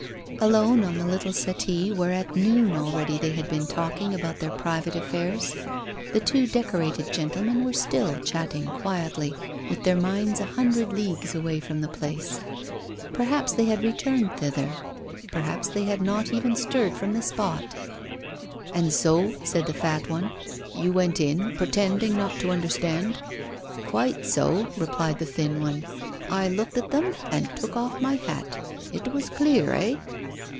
Alone on the little settee where at noon already they had been talking about their private affairs, the two decorated gentlemen were still chatting quietly, with their minds a hundred leagues away from the place. Perhaps they had returned thither, perhaps they had not even stirred from the spot. 'And so,' said the fat one, 'you went in, pretending not to understand?' 'Quite so,' replied the thin one. 'I looked at them and took off my hat. It was clear, eh?